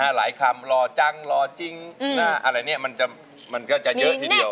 หลายคำรอจังรอจริงอะไรเนี่ยมันก็จะเยอะทีเดียว